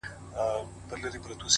زما په غــېږه كــي نــاســور ويـده دی؛